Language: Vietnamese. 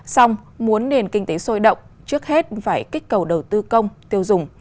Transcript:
xong muốn nền kinh tế sôi động trước hết phải kích cầu đầu tư công tiêu dùng